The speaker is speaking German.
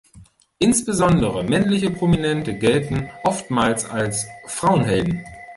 Insbesondere männliche Prominente gelten oftmals als Frauenhelden.